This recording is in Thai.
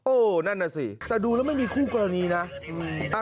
นั่นน่ะสิแต่ดูแล้วไม่มีคู่กรณีนะ